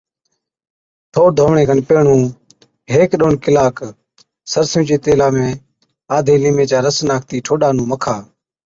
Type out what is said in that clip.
ٺوڏ ڌووَڻي کن پيهڻُون هيڪي ڏون ڪِلاڪ سرسُوئي چي تيلا ۾ آڌي ليمي چا رس ناکتِي ٺوڏا نُون مکا،